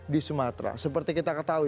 di sumatera seperti kita ketahui